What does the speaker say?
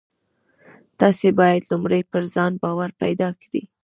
تاسې بايد لومړی پر ځان باور پيدا کړئ.